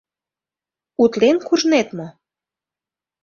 Утлен куржнет мо?!